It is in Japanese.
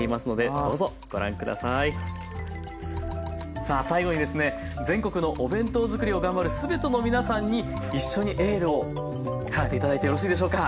さあ最後にですね全国のお弁当作りを頑張るすべての皆さんに一緒にエールを送っていただいてよろしいでしょうか？